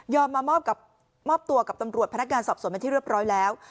มามอบตัวกับตำรวจพนักงานสอบสวนเป็นที่เรียบร้อยแล้ว